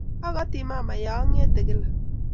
Akati mama yaangete kila.